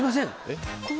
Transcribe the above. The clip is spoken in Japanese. えっ？